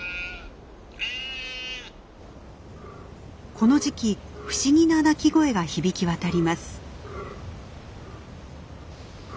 この時期不思議な鳴き声が響き渡ります。